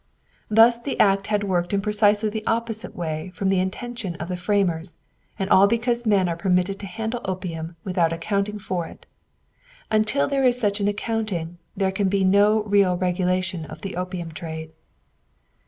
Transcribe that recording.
Thus the act had worked in precisely the opposite way from the intention of the framers, and all because men are permitted to handle opium without accounting for it. Until there is such an accounting, there can be no real regulation of the opium trade.